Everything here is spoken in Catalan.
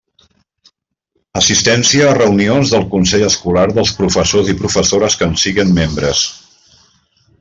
Assistència a reunions del consell escolar dels professors i professores que en siguen membres.